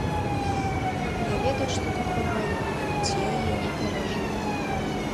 Я ведаю, што такое вайна, хоць я яе не перажыў.